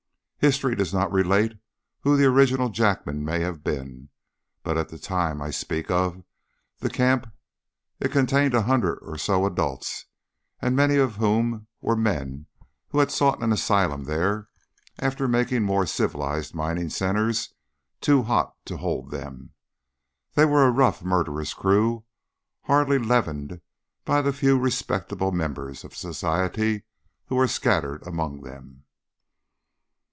History does not relate who the original Jackman may have been, but at the time I speak of the camp it contained a hundred or so adults, many of whom were men who had sought an asylum there after making more civilised mining centres too hot to hold them. They were a rough, murderous crew, hardly leavened by the few respectable members of society who were scattered among them.